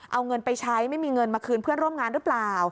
เอาเงินไปใช้ไม่มีเงินมาคืนเพื่อนร่วมงานหรือเปล่า